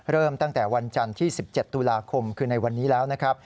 เริ่มตั้งแต่วันจันทร์ที่๑๗ตุลาคมคือในวันนี้แล้วนะครับ